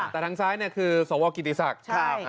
แต่ทางซ้ายเนี่ยคือสาวว่ากิติศักดิ์